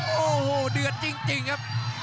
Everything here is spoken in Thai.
โอ้โหเดือดจริงครับ